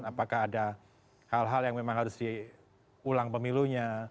apakah ada hal hal yang memang harus diulang pemilunya